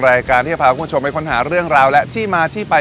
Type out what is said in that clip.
รายการที่จะพาคุณผู้ชมไปค้นหาเรื่องราวและที่มาที่ไป